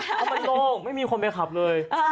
เพราะมันโล่งไม่มีคนไปขับเลย